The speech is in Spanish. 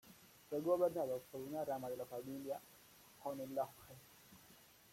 Fue gobernado por una rama de la familia Hohenlohe.